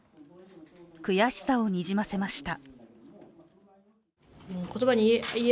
悔しさをにじませました。